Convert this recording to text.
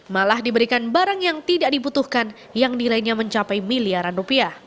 malah diberikan barang yang tidak dibutuhkan yang nilainya mencapai miliaran rupiah